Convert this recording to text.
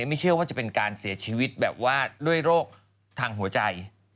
ไม่เชื่อว่าจะเป็นการเสียชีวิตแบบว่าด้วยโรคทางหัวใจ